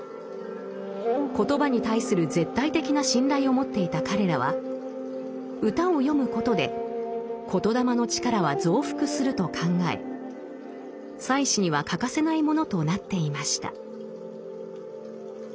言葉に対する絶対的な信頼を持っていた彼らは歌を詠むことで言霊の力は増幅すると考え祭祀には欠かせないものとなっていました。